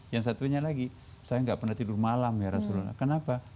yang satunya lagi saya nggak pernah tidur malam ya rasulullah kenapa